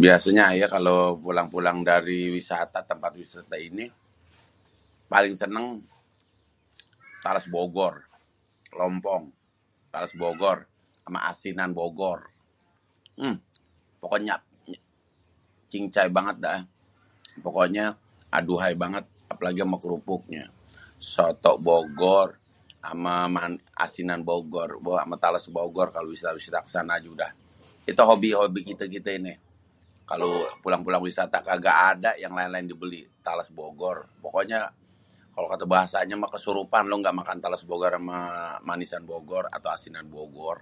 Biase ayé kalo pulang-pulang dari wisata tempat wisata ini. Paling seneng talas bogor, lompong, talas bogor sama asinan bogor. uhm pokoknya cincay banget da ah, pokonya aduhai banget, apalagi ame kerupuknye. Soto bogor ama asinan bogor eee ame talas bogor. Kite hoby-hoby kite neh kalo pulang-pulang wisata kaga ada yang laén-laén dibeli tales bogor pokoknya kalo kata bahasanya mah kesurupan lo kalo ga makan tales bogor sama manisan bogor atau asinan bogor.